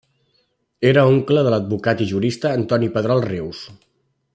Era oncle de l'advocat i jurista Antoni Pedrol Rius.